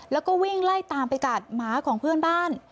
แล้วก็วิ่งไล่ตามไปกัดหมาของเพื่อนบ้าน